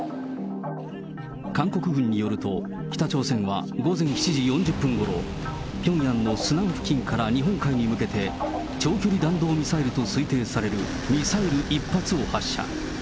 韓国軍によると、北朝鮮は午前７時４０分ごろ、ピョンヤンのスナン付近から日本海に向けて、長距離弾道ミサイルと推定されるミサイル１発を発射。